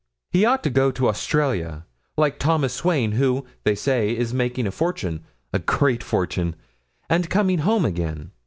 He ought to go to Australia, like Thomas Swain, who, they say, is making a fortune a great fortune and coming home again.